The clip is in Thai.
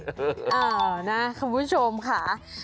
เอานะขอบคุณผู้ชมค่ะ